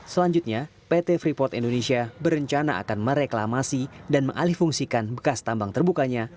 selanjutnya pt freeport indonesia berencana akan mereklamasi dan mengalih fungsikan bekas tambang terbukanya